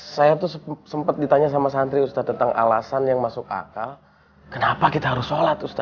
saya tuh sempat ditanya sama santri ustadz tentang alasan yang masuk akal kenapa kita harus sholat ustaz